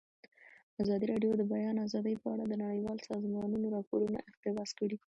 ازادي راډیو د د بیان آزادي په اړه د نړیوالو سازمانونو راپورونه اقتباس کړي.